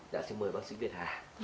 dạ xin mời bác sĩ việt hà